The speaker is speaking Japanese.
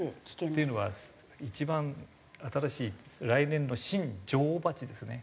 っていうのは一番新しい来年の新女王蜂ですね。